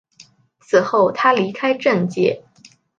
此后他离开政界。